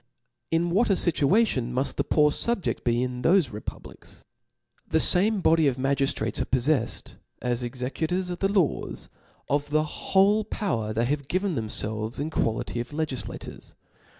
Ill what a fituation muft the poor fubjcd be, under thofe republics ! The fame body of ma gtftrates are pofiefled, as executors of the laws, of the whole power they have given themielves HI quality of legiflators.